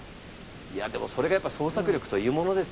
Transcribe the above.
いやでもそれがやっぱ創作力というものですよ。